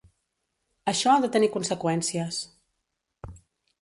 Això ha de tenir conseqüències.